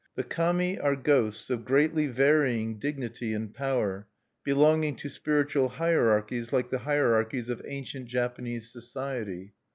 The Kami are ghosts of greatly varying dignity and power, belonging to spiritual hierarchies like the hierarchies of ancient Japanese society.